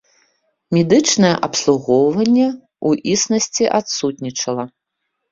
Медычнае абслугоўванне, у існасці, адсутнічала.